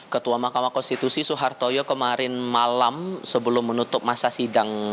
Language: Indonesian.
ketua mahkamah konstitusi soehartoyo kemarin malam sebelum menutup masa sidang